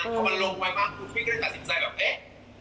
ตอนมันลงไวมากที่ก็เลยตัดสินใจว่าเอ๊ะ